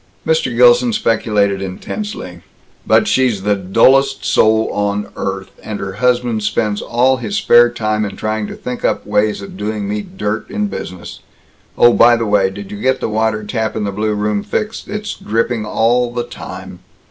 Mr. Gilson speculated intensely, "But she's the dullest soul on earth, and her husband spends all his spare time in trying to think up ways of doing me dirt in business. Oh, by the way, did you get the water tap in the blue room fixed? It's dripping all the time."